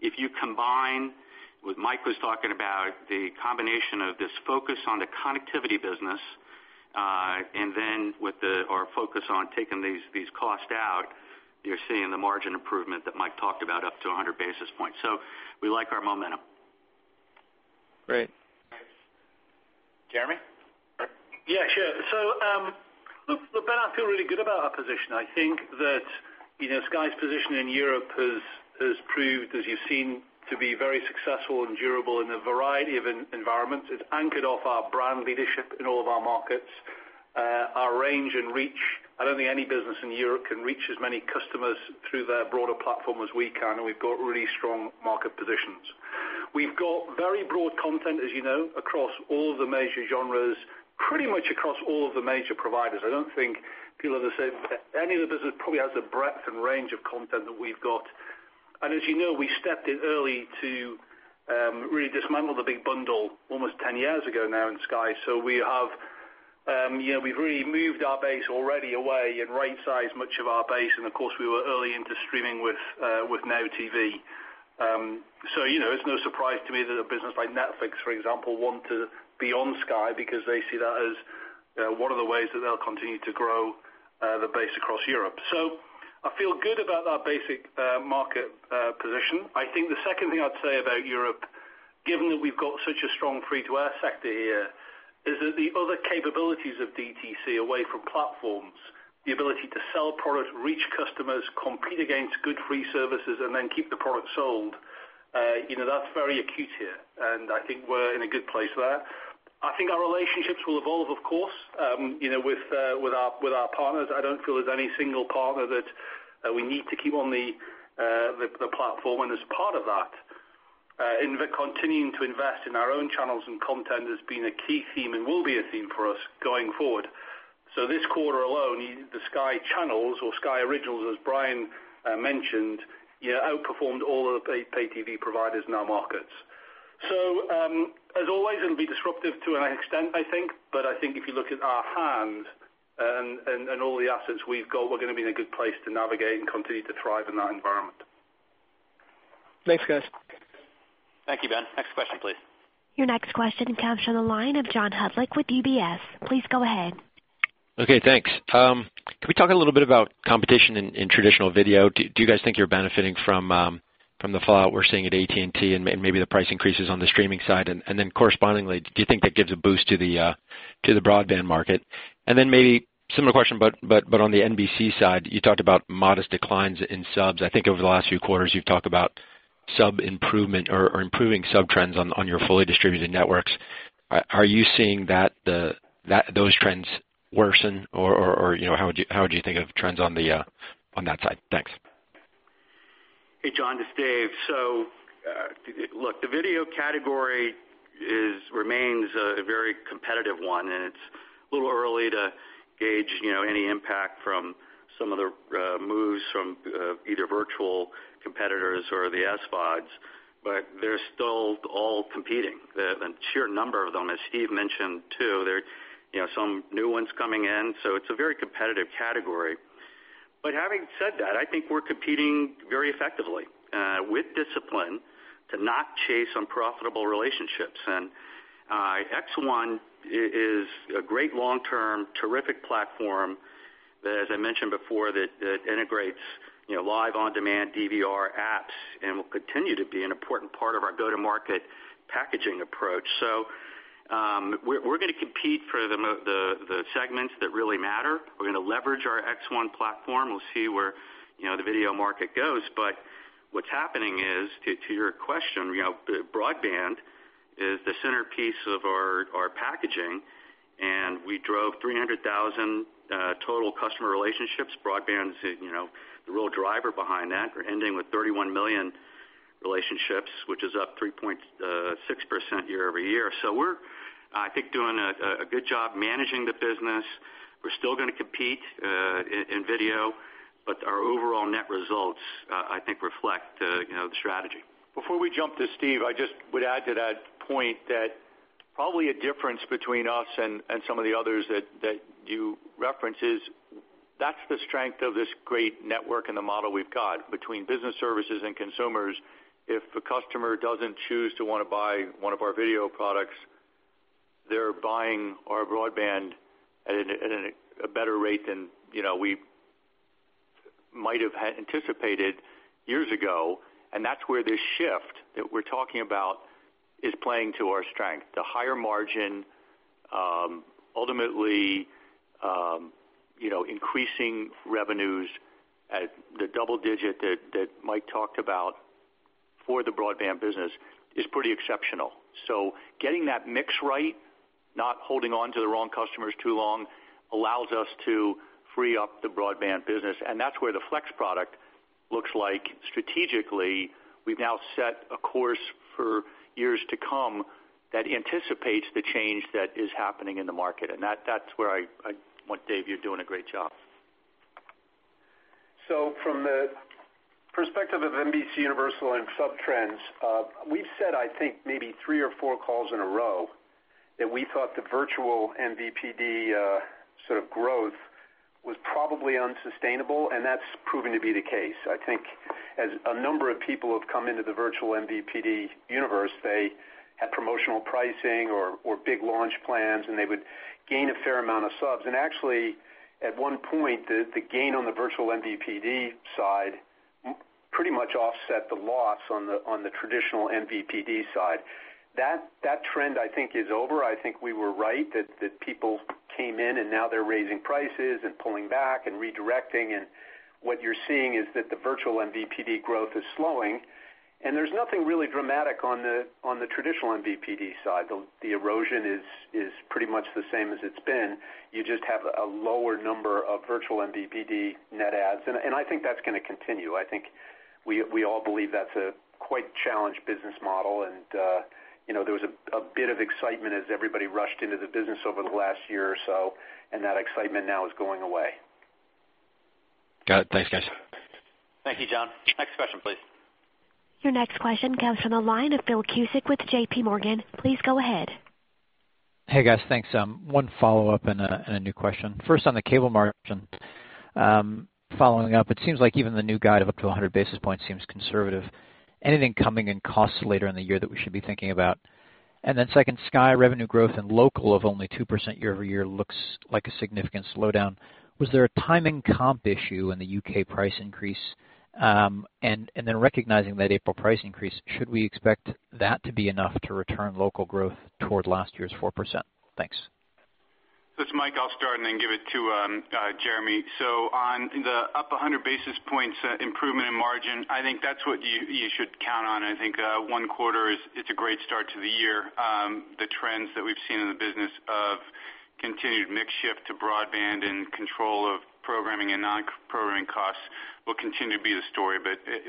If you combine what Mike was talking about, the combination of this focus on the connectivity business, then with our focus on taking these costs out, you're seeing the margin improvement that Mike talked about up to 100 basis points. We like our momentum. Great. Jeremy? Yeah, sure. Ben, I feel really good about our position. I think that Sky's position in Europe has proved, as you've seen, to be very successful and durable in a variety of environments. It's anchored off our brand leadership in all of our markets. Our range and reach, I don't think any business in Europe can reach as many customers through their broader platform as we can, we've got really strong market positions. We've got very broad content, as you know, across all the major genres, pretty much across all of the major providers. I don't think people have said any of the business probably has the breadth and range of content that we've got. As you know, we stepped in early to really dismantle the big bundle almost 10 years ago now in Sky. We've really moved our base already away and right-sized much of our base. Of course, we were early into streaming with NOW TV. It's no surprise to me that a business like Netflix, for example, want to be on Sky because they see that as one of the ways that they'll continue to grow the base across Europe. I feel good about our basic market position. I think the second thing I'd say about Europe, given that we've got such a strong free-to-air sector here, is that the other capabilities of DTC away from platforms, the ability to sell product, reach customers, compete against good free services, and then keep the product sold That's very acute here, and I think we're in a good place there. I think our relationships will evolve, of course, with our partners. I don't feel there's any single partner that we need to keep on the platform. As part of that, continuing to invest in our own channels and content has been a key theme and will be a theme for us going forward. This quarter alone, the Sky channels or Sky Originals, as Brian mentioned, outperformed all other pay TV providers in our markets. As always, it'll be disruptive to an extent, I think. I think if you look at our hand and all the assets we've got, we're going to be in a good place to navigate and continue to thrive in that environment. Thanks, guys. Thank you, Ben. Next question, please. Your next question comes from the line of John Hodulik with UBS. Please go ahead. Okay, thanks. Can we talk a little bit about competition in traditional video? Do you guys think you're benefiting from the fallout we're seeing at AT&T and maybe the price increases on the streaming side? Correspondingly, do you think that gives a boost to the broadband market? Maybe similar question, but on the NBC side, you talked about modest declines in subs. I think over the last few quarters, you've talked about sub improvement or improving sub trends on your fully distributed networks. Are you seeing those trends worsen or how would you think of trends on that side? Thanks. Hey, John, it's Dave. Look, the video category remains a very competitive one, and it's a little early to gauge any impact from some of the moves from either virtual competitors or the SVODs. They're still all competing. The sheer number of them, as Steve mentioned, too, there are some new ones coming in, so it's a very competitive category. Having said that, I think we're competing very effectively with discipline to not chase unprofitable relationships. X1 is a great long-term, terrific platform that, as I mentioned before, integrates live on-demand DVR apps and will continue to be an important part of our go-to-market packaging approach. We're going to compete for the segments that really matter. We're going to leverage our X1 platform. We'll see where the video market goes. What's happening is, to your question, broadband is the centerpiece of our packaging, and we drove 300,000 total customer relationships. Broadband is the real driver behind that. We're ending with 31 million relationships, which is up 3.6% year-over-year. We're, I think, doing a good job managing the business. We're still going to compete in video, but our overall net results, I think, reflect the strategy. Before we jump to Steve, I just would add to that point that probably a difference between us and some of the others that you reference is that's the strength of this great network and the model we've got between business services and consumers. If a customer doesn't choose to want to buy one of our video products, they're buying our broadband at a better rate than we might have anticipated years ago. That's where this shift that we're talking about is playing to our strength. The higher margin ultimately increasing revenues at the double digit that Mike talked about for the broadband business is pretty exceptional. Getting that mix right, not holding on to the wrong customers too long, allows us to free up the broadband business, and that's where the Flex product looks like strategically, we've now set a course for years to come that anticipates the change that is happening in the market, and that's where I want Dave, you're doing a great job. From the perspective of NBCUniversal and sub trends, we've said, I think maybe three or four calls in a row that we thought the virtual MVPD sort of growth was probably unsustainable, and that's proven to be the case. I think as a number of people have come into the virtual MVPD universe, they had promotional pricing or big launch plans, and they would gain a fair amount of subs. Actually, at one point, the gain on the virtual MVPD side pretty much offset the loss on the traditional MVPD side. That trend, I think, is over. I think we were right that people came in and now they're raising prices and pulling back and redirecting. What you're seeing is that the virtual MVPD growth is slowing, and there's nothing really dramatic on the traditional MVPD side. The erosion is pretty much the same as it's been. You just have a lower number of virtual MVPD net adds, and I think that's going to continue. I think we all believe that's a quite challenged business model, and there was a bit of excitement as everybody rushed into the business over the last year or so, and that excitement now is going away. Got it. Thanks, guys. Thank you, John. Next question, please. Your next question comes from the line of Philip Cusick with JPMorgan. Please go ahead. Hey, guys. Thanks. One follow-up and a new question. First on the cable margins. Following up, it seems like even the new guide of up to 100 basis points seems conservative. Anything coming in costs later in the year that we should be thinking about? Second, Sky revenue growth and local of only 2% year-over-year looks like a significant slowdown. Was there a timing comp issue in the U.K. price increase? Recognizing that April price increase, should we expect that to be enough to return local growth toward last year's 4%? Thanks. This is Mike. I'll start and give it to Jeremy. On the up 100 basis points improvement in margin, I think that's what you should count on. I think one quarter is a great start to the year. The trends that we've seen in the business of continued mix shift to broadband and control of programming and non-programming costs will continue to be the story,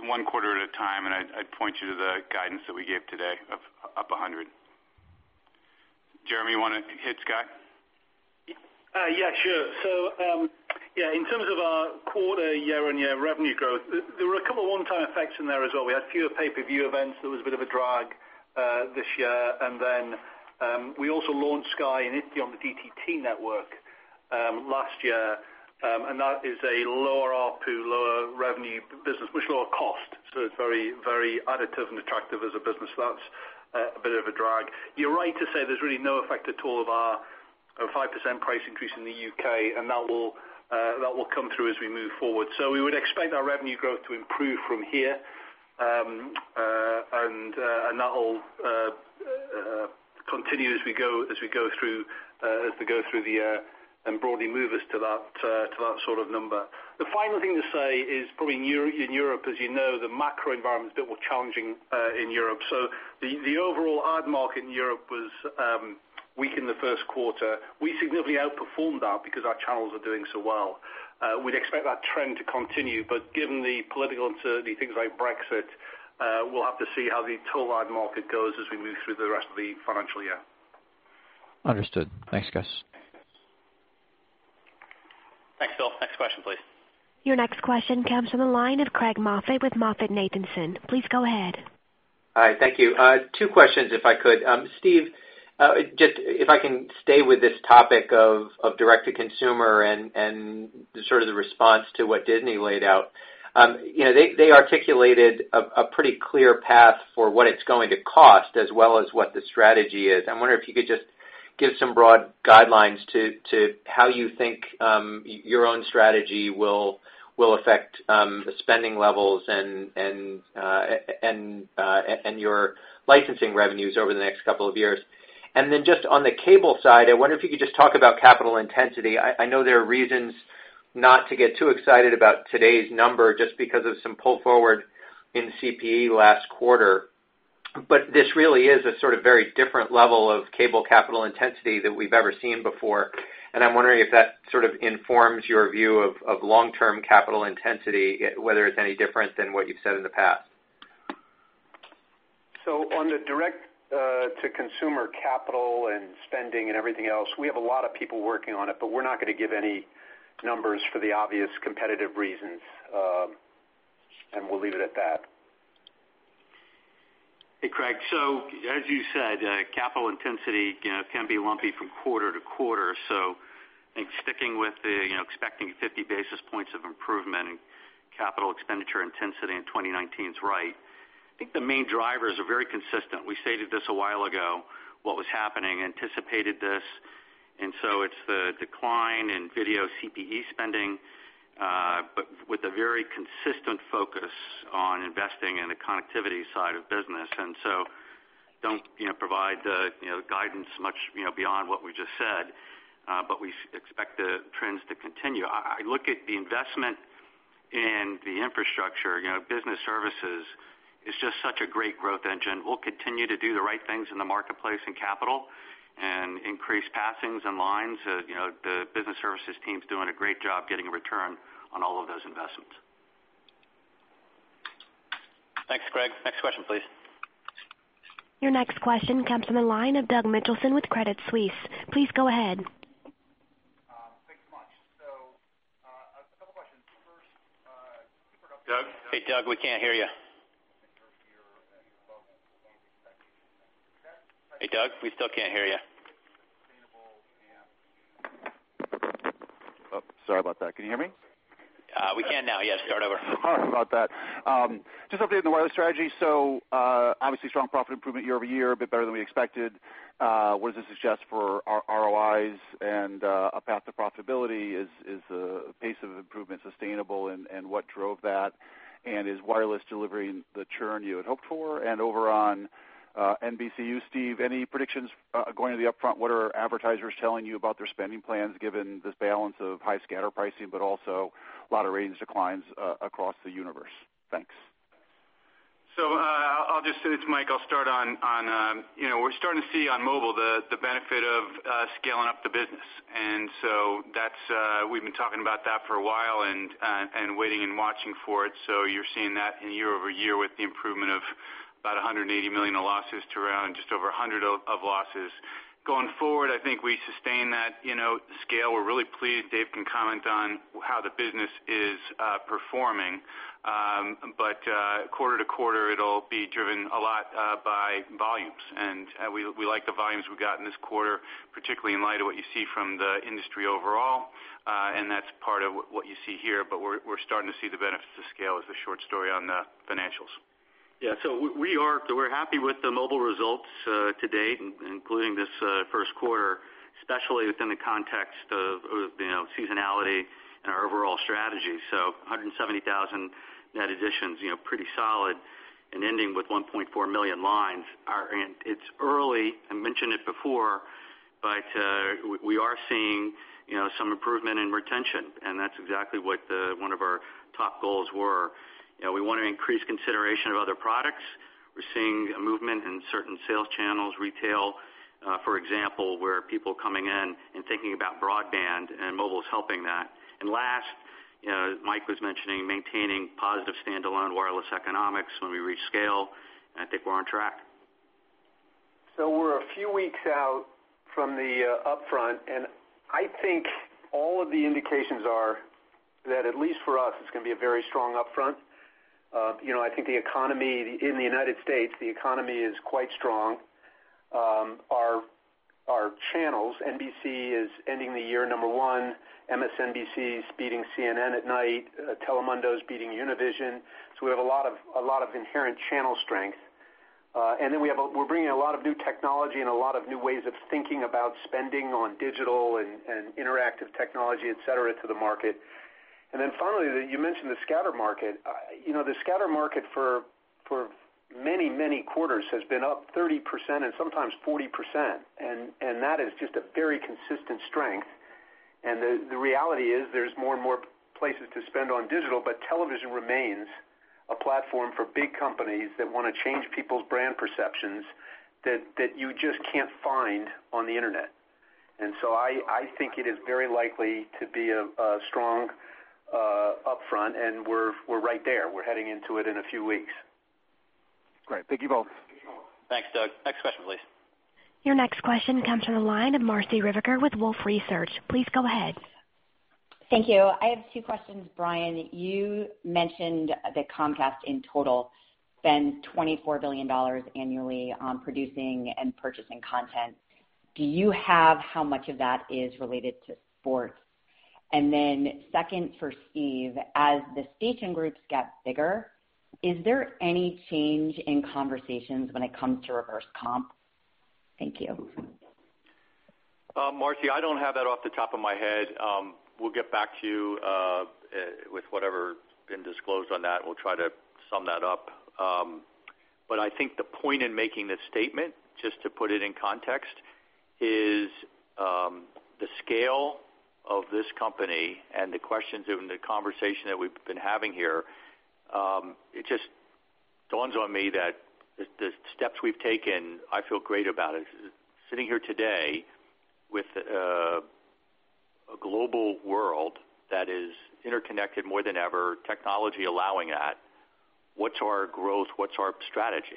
one quarter at a time, and I'd point you to the guidance that we gave today of up 100. Jeremy, you want to hit Sky? Yeah, sure. In terms of our quarter year-over-year revenue growth, there were a couple of one-time effects in there as well. We had fewer pay-per-view events. There was a bit of a drag this year. Then we also launched Sky in Italy on the DTT network last year. That is a lower ARPU, lower revenue business, much lower cost. It's very additive and attractive as a business. That's a bit of a drag. You're right to say there's really no effect at all of our 5% price increase in the U.K., and that will come through as we move forward. We would expect our revenue growth to improve from here. That will continue as we go through the year and broadly move us to that sort of number. The final thing to say is probably in Europe, as you know, the macro environment is a bit more challenging in Europe. The overall ad market in Europe was weak in the first quarter. We significantly outperformed that because our channels are doing so well. We'd expect that trend to continue, given the political uncertainty, things like Brexit, we'll have to see how the total ad market goes as we move through the rest of the financial year. Understood. Thanks, guys. Thanks, Phil. Next question, please. Your next question comes from the line of Craig Moffett with MoffettNathanson. Please go ahead. Hi, thank you. Two questions if I could. Steve, if I can stay with this topic of direct-to-consumer and the response to what Disney laid out. They articulated a pretty clear path for what it's going to cost as well as what the strategy is. I wonder if you could just give some broad guidelines to how you think your own strategy will affect the spending levels and your licensing revenues over the next couple of years. Then just on the cable side, I wonder if you could just talk about capital intensity. I know there are reasons not to get too excited about today's number just because of some pull forward in CPE last quarter, this really is a sort of very different level of cable capital intensity than we've ever seen before, I'm wondering if that sort of informs your view of long-term capital intensity, whether it's any different than what you've said in the past. On the direct-to-consumer capital and spending and everything else, we have a lot of people working on it, we're not going to give any numbers for the obvious competitive reasons. We'll leave it at that. As you said, capital intensity can be lumpy from quarter to quarter. I think sticking with expecting 50 basis points of improvement in capital expenditure intensity in 2019 is right. I think the main drivers are very consistent. We stated this a while ago, what was happening, anticipated this, it's the decline in video CPE spending, but with a very consistent focus on investing in the connectivity side of business. Don't provide the guidance much beyond what we just said, but we expect the trends to continue. I look at the investment in the infrastructure. Business Services is just such a great growth engine. We'll continue to do the right things in the marketplace and capital and increase passings and lines. The Business Services team's doing a great job getting a return on all of those investments. Thanks, Craig. Next question, please. Your next question comes from the line of Douglas Mitchelson with Credit Suisse. Please go ahead. Thanks so much. A couple questions. First, can you provide- Doug? Hey, Doug, we can't hear you. Hey, Doug, we still can't hear you. Sorry about that. Can you hear me? We can now, yes. Start over. Sorry about that. Just updating the wireless strategy. Obviously strong profit improvement year-over-year, a bit better than we expected. What does this suggest for our ROIs and a path to profitability? Is the pace of improvement sustainable, and what drove that? Is wireless delivering the churn you had hoped for? Over on NBCUniversal, Steve, any predictions going to the upfront? What are advertisers telling you about their spending plans given this balance of high scatter pricing, but also a lot of ratings declines across the universe? Thanks. I'll just say this, Mike. We're starting to see on mobile the benefit of scaling up the business, we've been talking about that for a while and waiting and watching for it. You're seeing that in year-over-year with the improvement of about $180 million of losses to around just over $100 million of losses. Going forward, I think we sustain that scale. We're really pleased. Dave can comment on how the business is performing. Quarter-to-quarter, it'll be driven a lot by volumes, and we like the volumes we've got in this quarter, particularly in light of what you see from the industry overall. That's part of what you see here, we're starting to see the benefits of scale is the short story on the financials. Yeah. We're happy with the mobile results to date, including this first quarter, especially within the context of seasonality and our overall strategy. 170,000 net additions, pretty solid. Ending with 1.4 million lines. It's early, I mentioned it before, we are seeing some improvement in retention, that's exactly what one of our top goals were. We want to increase consideration of other products. We're seeing a movement in certain sales channels, retail, for example, where people coming in and thinking about broadband and mobile is helping that. Last, Mike was mentioning maintaining positive standalone wireless economics when we reach scale, I think we're on track. We're a few weeks out from the upfront, and I think all of the indications are that, at least for us, it's going to be a very strong upfront. I think the economy in the U.S., the economy is quite strong. Our channels, NBC is ending the year number 1, MSNBC is beating CNN at night. Telemundo is beating Univision. We have a lot of inherent channel strength. We're bringing a lot of new technology and a lot of new ways of thinking about spending on digital and interactive technology, et cetera, to the market. Finally, you mentioned the scatter market. The scatter market for many, many quarters has been up 30% and sometimes 40%, and that is just a very consistent strength. The reality is there's more and more places to spend on digital, but television remains a platform for big companies that want to change people's brand perceptions that you just can't find on the internet. I think it is very likely to be a strong upfront, and we're right there. We're heading into it in a few weeks. Great. Thank you both. Thanks, Doug. Next question, please. Your next question comes from the line of Marci Ryvicker with Wolfe Research. Please go ahead. Thank you. I have two questions. Brian, you mentioned that Comcast in total spends $24 billion annually on producing and purchasing content. Do you have how much of that is related to sports? Second for Steve, as the station groups get bigger, is there any change in conversations when it comes to reverse comp? Thank you. Marci, I don't have that off the top of my head. We'll get back to you with whatever's been disclosed on that. We'll try to sum that up. I think the point in making the statement, just to put it in context, is the scale of this company and the questions and the conversation that we've been having here. It just dawns on me that the steps we've taken, I feel great about it. Sitting here today with a global world that is interconnected more than ever, technology allowing that, what's our growth? What's our strategy?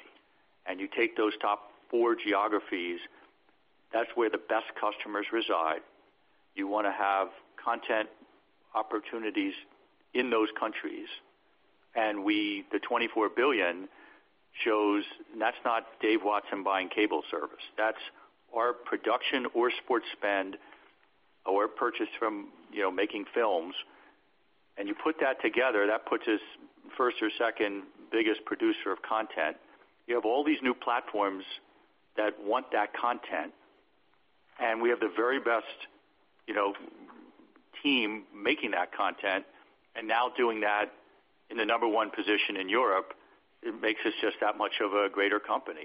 You take those top four geographies, that's where the best customers reside. You want to have content opportunities in those countries. The $24 billion shows, that's not Dave Watson buying cable service. That's our production or sports spend or purchase from making films. You put that together, that puts us first or second biggest producer of content. You have all these new platforms that want that content. We have the very best team making that content. Now doing that in the number 1 position in Europe, it makes us just that much of a greater company.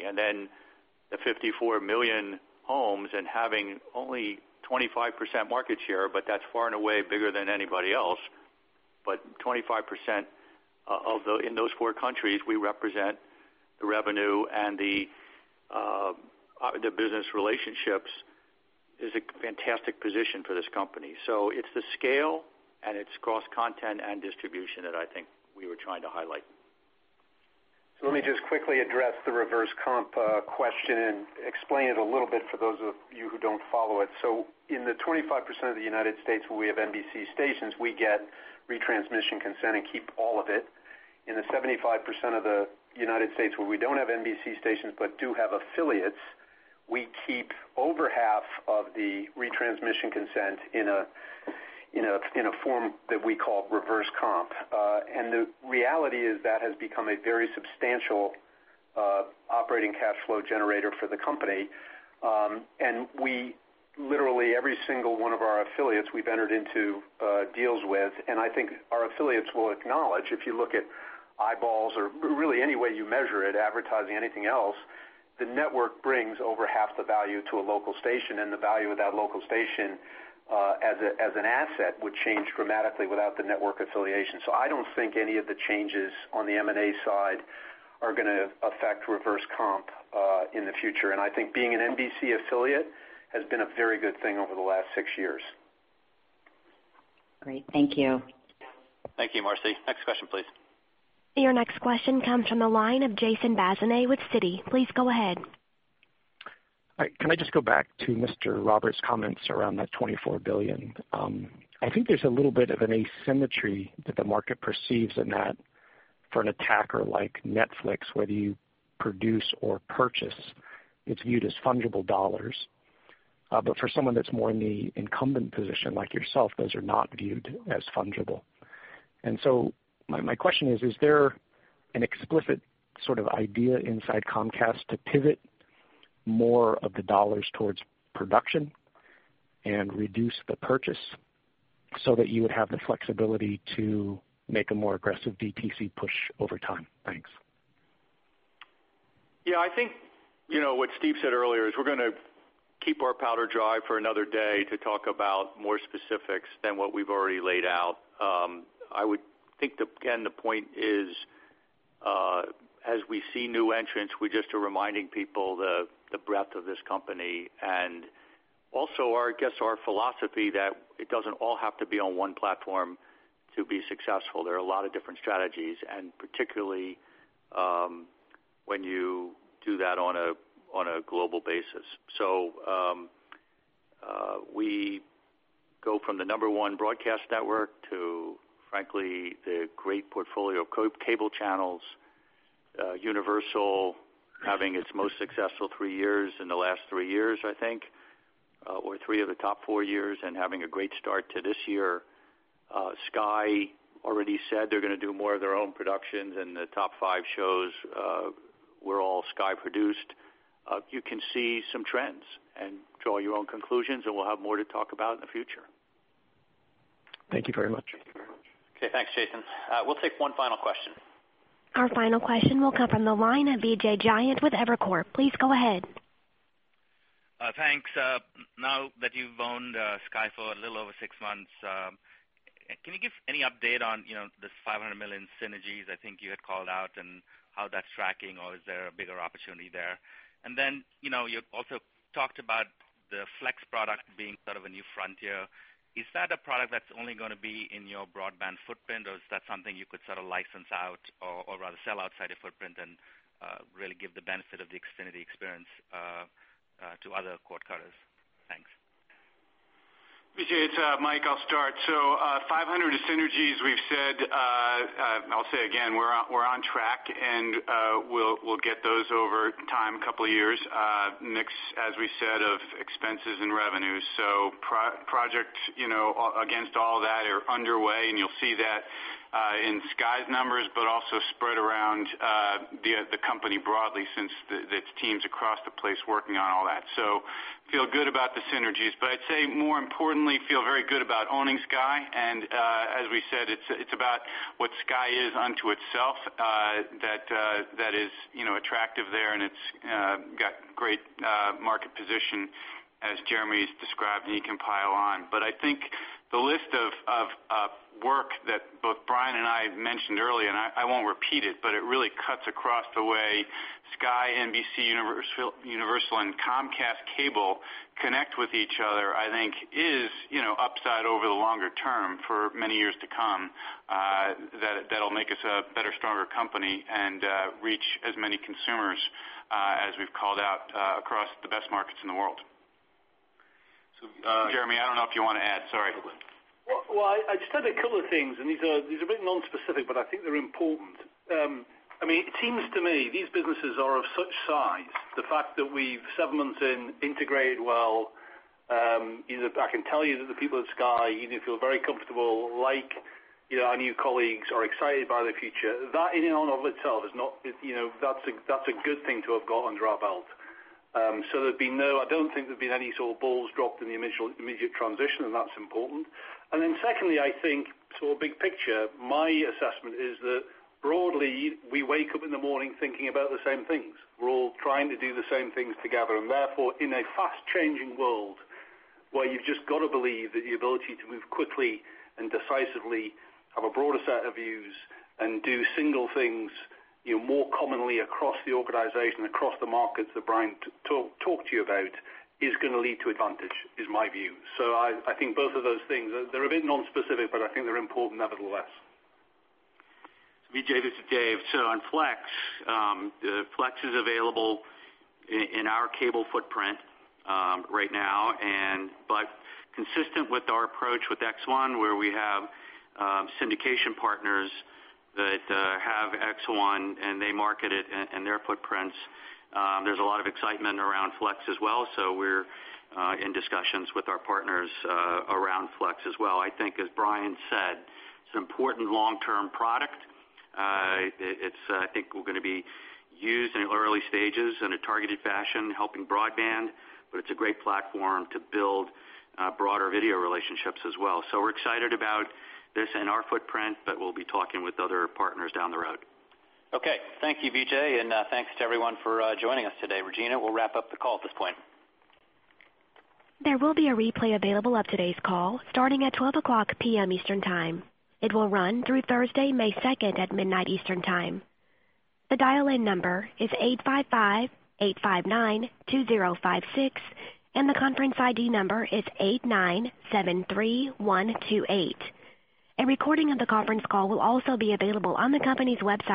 The 54 million homes and having only 25% market share, that's far and away bigger than anybody else. 25% in those four countries, we represent the revenue and the business relationships is a fantastic position for this company. It's the scale and it's cross-content and distribution that I think we were trying to highlight. Let me just quickly address the reverse comp question and explain it a little bit for those of you who don't follow it. In the 25% of the United States where we have NBC stations, we get retransmission consent and keep all of it. In the 75% of the United States where we don't have NBC stations but do have affiliates, we keep over half of the retransmission consent in a form that we call reverse comp. The reality is that has become a very substantial operating cash flow generator for the company. We literally, every single one of our affiliates we've entered into deals with, and I think our affiliates will acknowledge, if you look at eyeballs or really any way you measure it, advertising, anything else, the network brings over half the value to a local station, and the value of that local station, as an asset, would change dramatically without the network affiliation. I don't think any of the changes on the M&A side are going to affect reverse comp in the future. I think being an NBC affiliate has been a very good thing over the last six years. Great. Thank you. Thank you, Marci. Next question, please. Your next question comes from the line of Jason Bazinet with Citi. Please go ahead. Hi, can I just go back to Mr. Roberts' comments around that $24 billion? I think there's a little bit of an asymmetry that the market perceives in that for an attacker like Netflix, whether you produce or purchase, it's viewed as fungible dollars. For someone that's more in the incumbent position like yourself, those are not viewed as fungible. My question is there an explicit sort of idea inside Comcast to pivot more of the dollars towards production and reduce the purchase? So that you would have the flexibility to make a more aggressive DTC push over time. Thanks. Yeah, I think what Steve said earlier is we're going to keep our powder dry for another day to talk about more specifics than what we've already laid out. I would think that, again, the point is as we see new entrants, we just are reminding people the breadth of this company and also, I guess, our philosophy that it doesn't all have to be on one platform to be successful. There are a lot of different strategies and particularly when you do that on a global basis. We go from the number one broadcast network to, frankly, the great portfolio of cable channels. Universal having its most successful three years in the last three years, I think, or three of the top four years, and having a great start to this year. Sky already said they're going to do more of their own productions. The top five shows were all Sky produced. You can see some trends and draw your own conclusions. We'll have more to talk about in the future. Thank you very much. Okay. Thanks, Jason. We'll take one final question. Our final question will come from the line of Vijay Jayant with Evercore. Please go ahead. Thanks. Now that you've owned Sky for a little over six months, can you give any update on this $500 million synergies I think you had called out and how that's tracking? Or is there a bigger opportunity there? You also talked about the Flex product being sort of a new frontier. Is that a product that's only going to be in your broadband footprint, or is that something you could sort of license out or rather sell outside a footprint and really give the benefit of the Xfinity experience to other cord cutters? Thanks. Vijay, it's Mike, I'll start. 500 synergies we've said, I'll say again, we're on track, and we'll get those over time, a couple of years. Mix, as we said, of expenses and revenues. Projects against all that are underway, and you'll see that in Sky's numbers, but also spread around the company broadly since it's teams across the place working on all that. Feel good about the synergies, but I'd say more importantly, feel very good about owning Sky. As we said, it's about what Sky is unto itself that is attractive there, and it's got great market position as Jeremy's described, and he can pile on. I think the list of work that both Brian and I mentioned earlier, and I won't repeat it, but it really cuts across the way Sky, NBCUniversal, and Comcast Cable connect with each other, I think is upside over the longer term for many years to come. That'll make us a better, stronger company and reach as many consumers as we've called out across the best markets in the world. Jeremy, I don't know if you want to add, sorry. Well, I just had a couple of things, and these are a bit non-specific, but I think they're important. It seems to me these businesses are of such size, the fact that we've, seven months in, integrated well. I can tell you that the people at Sky even feel very comfortable, like our new colleagues are excited by the future. That in and of itself, that's a good thing to have gotten under our belt. I don't think there's been any sort of balls dropped in the immediate transition, and that's important. Secondly, I think sort of big picture, my assessment is that broadly, we wake up in the morning thinking about the same things. We're all trying to do the same things together. In a fast-changing world where you've just got to believe that the ability to move quickly and decisively, have a broader set of views, and do single things more commonly across the organization, across the markets that Brian talked to you about, is going to lead to advantage, is my view. I think both of those things, they're a bit non-specific, but I think they're important nevertheless. Vijay, this is Dave. On Flex is available in our cable footprint right now, but consistent with our approach with X1, where we have syndication partners that have X1 and they market it in their footprints. There's a lot of excitement around Flex as well. We're in discussions with our partners around Flex as well. I think as Brian said, it's an important long-term product. I think we're going to be used in early stages in a targeted fashion, helping broadband, but it's a great platform to build broader video relationships as well. We're excited about this in our footprint, but we'll be talking with other partners down the road. Thank you, Vijay, and thanks to everyone for joining us today. Regina, we'll wrap up the call at this point. There will be a replay available of today's call starting at 12:00 P.M. Eastern Time. It will run through Thursday, May 2nd at midnight Eastern Time. The dial-in number is 855-859-2056, and the conference ID number is 8973128. A recording of the conference call will also be available on the company's website.